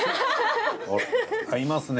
おっ合いますね。